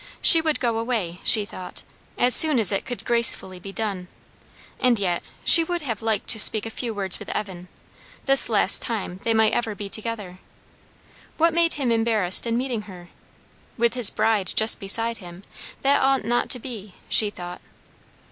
She would go away, she thought, as soon as it could gracefully be done. And yet, she would have liked to speak a few words with Evan, this last time they might ever be together. What made him embarrassed in meeting her? With his bride just beside him, that ought not to be, she thought.